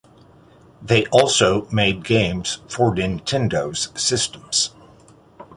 They also made games for Nintendo's systems.